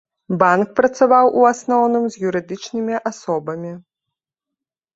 Банк працаваў, у асноўным, з юрыдычнымі асобамі.